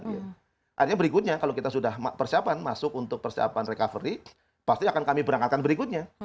artinya berikutnya kalau kita sudah persiapan masuk untuk persiapan recovery pasti akan kami berangkatkan berikutnya